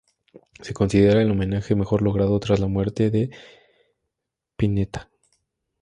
Se considera el homenaje mejor logrado tras la muerte de Spinetta.